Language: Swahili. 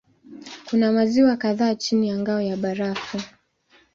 Kuna maziwa kadhaa chini ya ngao ya barafu.